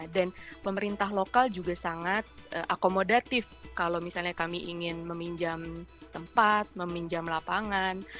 dan pemerintah lokal juga sangat akomodatif kalau misalnya kami ingin meminjam tempat meminjam lapangan